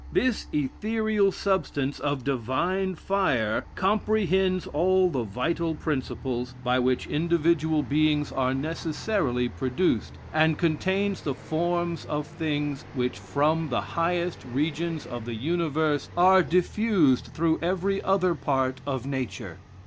This ethereal substance, of divine fire, comprehends all the vital principles by which individual beings are necessarily produced, and contains the forms of things, which from the highest regions of the universe, are diffused through every other part of nature.